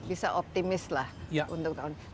bisa optimis lah untuk tahun ini